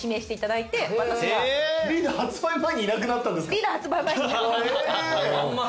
リーダー発売前に。